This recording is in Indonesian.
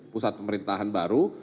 pusat pemerintahan baru